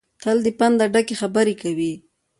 تل له پنده ډکې خبرې کوي.